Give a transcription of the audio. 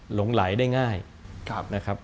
หลงไหลได้ง่ายนะครับ